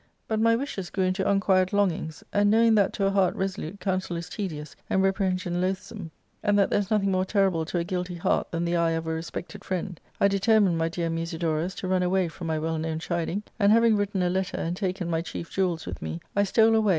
But my wishes grew into I unquiet longings, and knowing that to a heart resolute (counsel is tedious, and reprehension loathsome, and that \there is nothing more terrible to a guilty heart than the eye pf a respected friend, I determined, my dear Musidorus, to nm away from my well known chiding, and, having written B letter and taken my chief jewels with me, I stole away